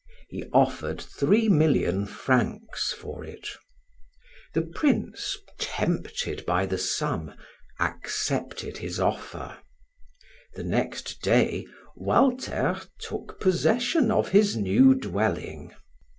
He offered three million francs for it. The prince, tempted by the sum, accepted his offer; the next day, Walter took possession of his new dwelling.